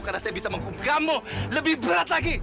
karena saya bisa menghukum kamu lebih berat lagi